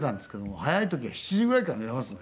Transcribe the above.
早い時は７時ぐらいから寝ますね。